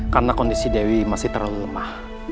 karena kondisi dewi masih terlalu lemah